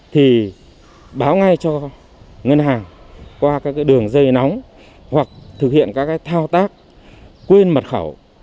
thì báo ngay cho ngân hàng qua các đường dây nóng hoặc thực hiện các thao tác quên mật khẩu